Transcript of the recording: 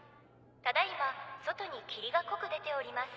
ただ今外に霧が濃く出ております。